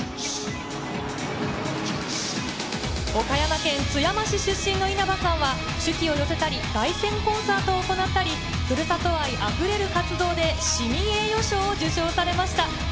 岡山県津山市出身の稲葉さんは、手記を寄せたり凱旋コンサートを行ったり、ふるさと愛あふれる活動で、市民栄誉賞を受賞されました。